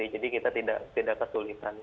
jadi kita tidak kesulitan